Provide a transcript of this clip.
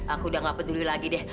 aku udah gak peduli lagi deh